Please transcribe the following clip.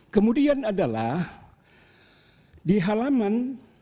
kemudian adalah di halaman